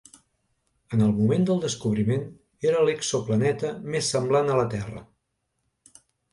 En el moment del descobriment era l'exoplaneta més semblant a la Terra.